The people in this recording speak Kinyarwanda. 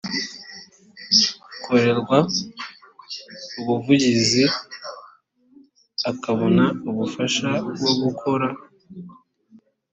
akorerwa ubuvugizi akabona ubufasha bwo gukora